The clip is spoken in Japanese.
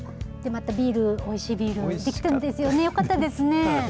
またビール、おいしいビール、出来たんですよね、よかったですよね。